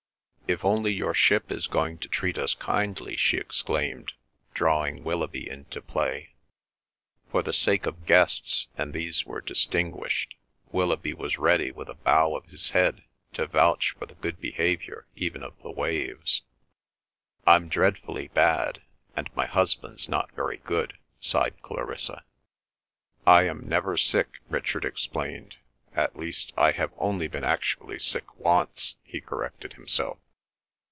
"If only your ship is going to treat us kindly!" she exclaimed, drawing Willoughby into play. For the sake of guests, and these were distinguished, Willoughby was ready with a bow of his head to vouch for the good behaviour even of the waves. "I'm dreadfully bad; and my husband's not very good," sighed Clarissa. "I am never sick," Richard explained. "At least, I have only been actually sick once," he corrected himself.